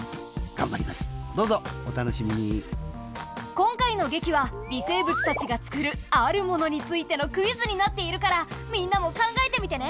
今回の劇は微生物たちが作るあるものについてのクイズになっているからみんなも考えてみてね。